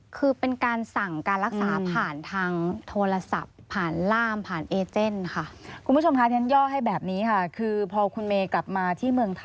คือเป็นการสั่งการรักษาผ่านทางโทรศัพท์